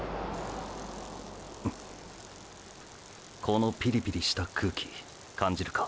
このピリピリした空気感じるか？